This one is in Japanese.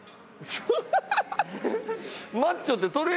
ハハハハ！